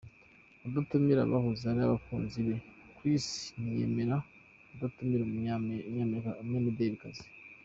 kudatumira abahoze ari abakunzi be Chris niyemera kudatumira umunyamidelikazi.